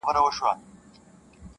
رښتیني تل بریالي وي.